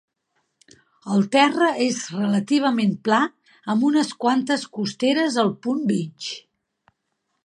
El terra és relativament pla amb unes quantes costeres al punt mig.